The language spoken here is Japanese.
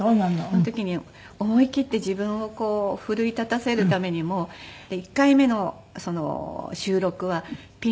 その時に思い切って自分をこう奮い立たせるためにも１回目の収録はピンク色のスーツを着て。